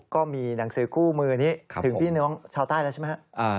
ก็มีหนังสือคู่มือนี้ถึงพี่น้องชาวใต้แล้วใช่ไหมครับ